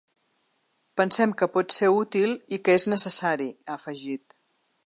Pensem que pot ser útil i que és necessari, ha afegit.